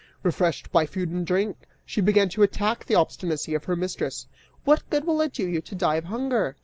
Refreshed by food and drink, she then began to attack the obstinacy of her mistress. 'What good will it do you to die of hunger?